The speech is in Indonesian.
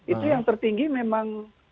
itu yang tertinggi memang